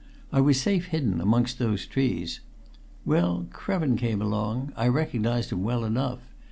I was safe hidden amongst those trees. Well, Krevin came along I recognized him well enough.